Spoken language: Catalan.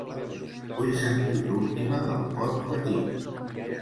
Vull sentir l'última del Pot Petit.